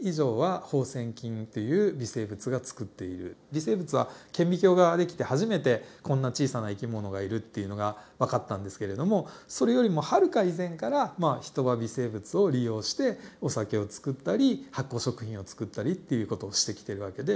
微生物は顕微鏡が出来て初めてこんな小さな生き物がいるっていうのが分かったんですけれどもそれよりもはるか以前からまあ人は微生物を利用してお酒を造ったり発酵食品を作ったりっていう事をしてきてる訳で。